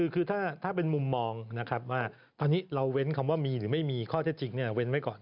คือถ้าเป็นมุมมองนะครับว่าตอนนี้เราเว้นคำว่ามีหรือไม่มีข้อเท็จจริงเว้นไว้ก่อน